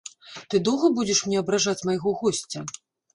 Ты доўга будзеш мне абражаць майго госця?